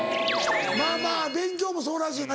まぁまぁ勉強もそうらしいから。